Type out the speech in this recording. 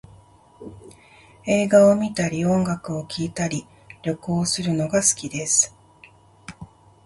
映画を観たり音楽を聴いたり、旅行をするのが好きです